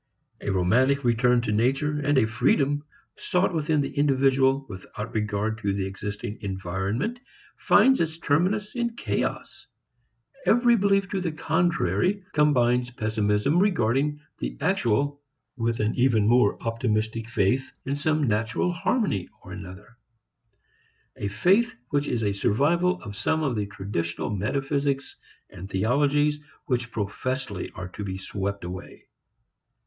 A romantic return to nature and a freedom sought within the individual without regard to the existing environment finds its terminus in chaos. Every belief to the contrary combines pessimism regarding the actual with an even more optimistic faith in some natural harmony or other a faith which is a survival of some of the traditional metaphysics and theologies which professedly are to be swept away.